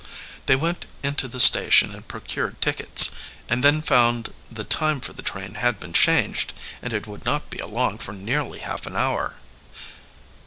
They went into the station and procured tickets, and then found the time for the train had been changed, and it would not be along for nearly half an hour.